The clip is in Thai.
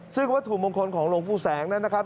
ซึ่งวัตถุมงคลของหลวงปู่แสงนั้นนะครับ